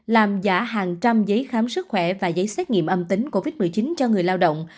làm giả hàng trăm giấy khám sức khỏe và giấy xét nghiệm âm tính covid một mươi chín cho người lao động